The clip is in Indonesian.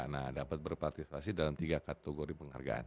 nah dapat berpartisipasi dalam tiga kategori penghargaan